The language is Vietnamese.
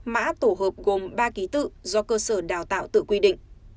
mã tổ hợp gồm ba ký tự do cơ sở đào tạo tự quy định